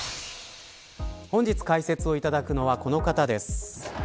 本日解説をいただくのはこの方です。